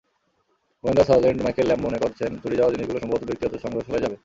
গোয়েন্দা sergeant Michael Lamb মনে করছেন, চুরি যাওয়া জিনিসগুলো সম্ভবত ব্যক্তিগত সংগ্রহশালায় যাবে।